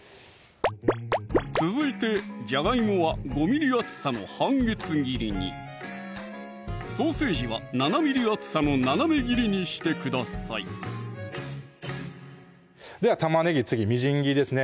続いてじゃがいもは５ｍｍ厚さの半月切りにソーセージは７ｍｍ厚さの斜め切りにしてくださいでは玉ねぎ次みじん切りですね